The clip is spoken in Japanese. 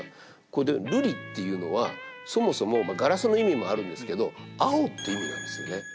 この「瑠璃」っていうのはそもそもガラスの意味もあるんですけど「青」って意味なんですよね。